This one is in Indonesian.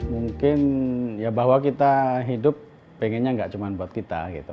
mungkin ya bahwa kita hidup pengennya gak cuma buat kita gitu